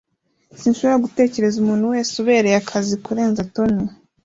Sinshobora gutekereza umuntu wese ubereye akazi kurenza Tom.